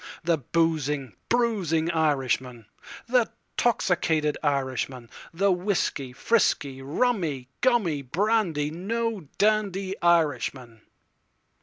The boozing, bruising Irishman, The 'toxicated Irishman—The whiskey, frisky, rummy, gummy, brandy, no dandy Irishman.